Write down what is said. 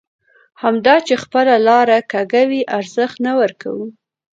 همدا چې خپله لاره کږوي ارزښت نه ورکوو.